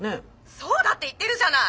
☎そうだって言ってるじゃない！